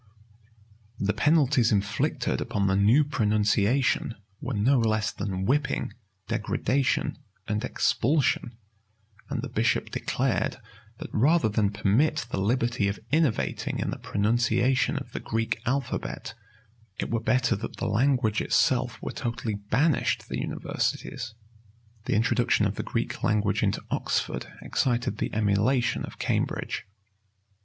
The penalties inflicted upon the new pronunciation were no less than whipping, degradation, and expulsion; and the bishop declared, that rather than permit the liberty of innovating in the pronunciation of the Greek alphabet, it were better that the language itself were totally banished the universities. The introduction of the Greek language into Oxford excited the emulation of Cambridge.